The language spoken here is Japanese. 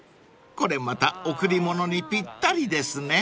これまた贈り物にぴったりですね］